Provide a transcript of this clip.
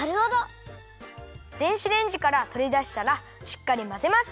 電子レンジからとりだしたらしっかりまぜます。